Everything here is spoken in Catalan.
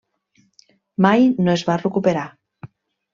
Mai no es va recuperar.